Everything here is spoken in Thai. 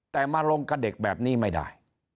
แต่มาลงกับเด็กแบบนี้ไม่ได้